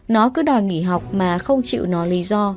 nó cứ đòi nghỉ học mà không chịu nó lý do